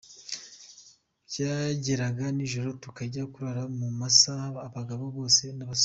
Byageraga nijoro tukajya kurara mu masaka abagabo bose n’abasore.